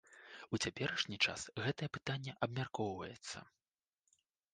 У цяперашні час гэтае пытанне абмяркоўваецца.